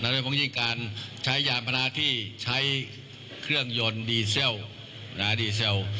โดยมองยิ่งการใช้ยานพลาที่ใช้เครื่องยนต์ดีเซล